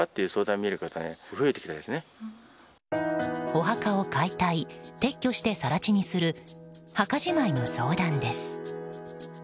お墓を解体・撤去して更地にする墓じまいの相談です。